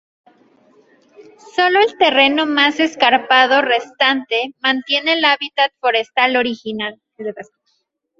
Sólo el terreno más escarpado restante mantiene el hábitat forestal original.